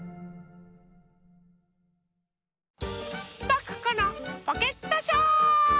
パクこのポケットショー！